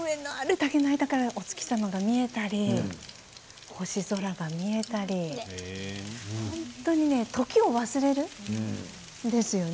竹の間からお月様が見えたり、星空が見えたり本当に時を忘れるんですよね。